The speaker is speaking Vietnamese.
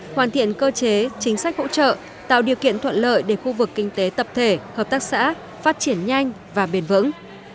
hoàn thiện cơ chế chính sách hỗ trợ tạo điều kiện thuận lợi để khu vực kinh tế tập thể hợp tác xã phát triển nhanh và bền vững